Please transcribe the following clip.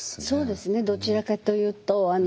そうですねどちらかというと。